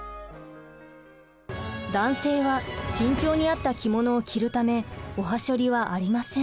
男性は身長に合った着物を着るためおはしょりはありません。